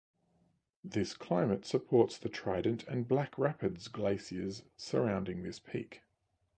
This climate supports the Trident and Black Rapids Glaciers surrounding this peak.